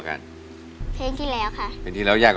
ได้ทั้งหมดเลยไหมค่ะ